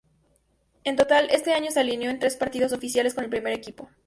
En total, ese año se alineó en tres partidos oficiales con el primer equipo.